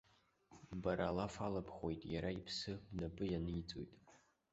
Бара алаф албхуеит, иара иԥсы бнапы ианиҵоит.